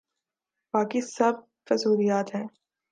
باقی سب فضولیات ہیں۔